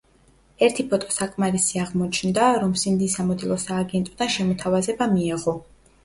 ერთი ფოტო საკმარისი აღმოჩნდა, რომ სინდის სამოდელო სააგენტოდან შემოთავაზება მიეღო.